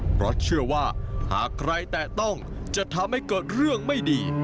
เพราะเชื่อว่าหากใครแตะต้องจะทำให้เกิดเรื่องไม่ดี